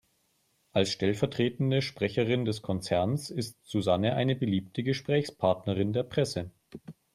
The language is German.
Als stellvertretende Sprecherin des Konzerns ist Susanne eine beliebte Gesprächspartnerin der Presse.